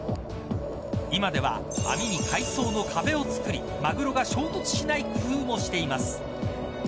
今では網に海草の壁を作りマグロが衝突しない工夫もしています。